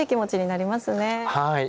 はい。